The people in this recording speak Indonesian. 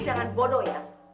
kamu jangan bodoh ya